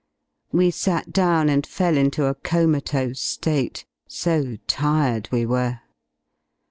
We sat down and fell into a comatose ^te, so tired we were.